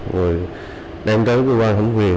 và đem tới cơ quan thẩm quyền